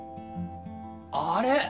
あれ？